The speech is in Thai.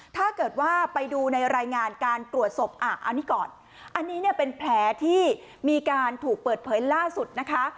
ถ้าเกิดว่าไปดูในรายงานการตรวจศพอันนี้ก่อนอันนี้เนี่ยเป็นแผลที่มีการถูกเปิดเผยล่าสุดนะคะ